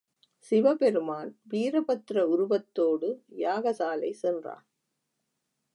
சிவபெருமான் வீரபத்திர உருவத்தோடு யாகசாலை சென்றான்.